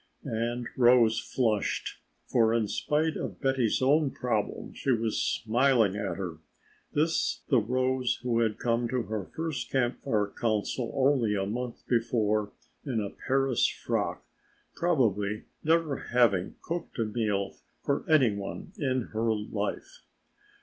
And Rose flushed, for in spite of Betty's own problem she was smiling at her. This the Rose who had come to her first Camp Fire Council only a month before in a Paris frock, probably never having cooked a meal for any one in her life!